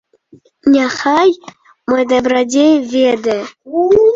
Няхай мой дабрадзей ведае.